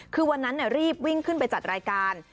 คือวันนั้นรีบวิ่งขึ้นไปจัดรายการ